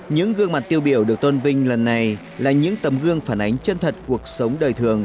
những gương mặt tiêu biểu được tôn vinh lần này là những tầm gương phản ánh chân thật cuộc sống đời thường